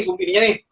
subuh dirinya nih